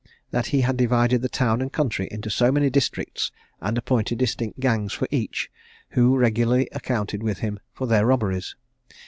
That he had divided the town and country into so many districts, and appointed distinct gangs for each, who regularly accounted with him for their robberies.